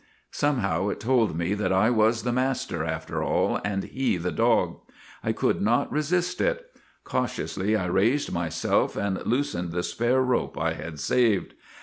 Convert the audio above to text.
Somehow it told me that I was the master, after all, and he the dog. I could not resist it. Cautiously I raised myself and loosened the spare rope I had saved.